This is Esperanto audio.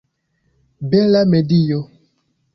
Bela medio!